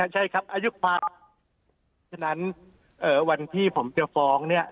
ใช่ครับอายุความฉะนั้นวันที่ผมจะฟ้องเนี่ย